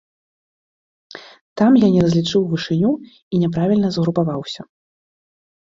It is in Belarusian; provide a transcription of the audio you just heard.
Там я не разлічыў вышыню і няправільна згрупаваўся.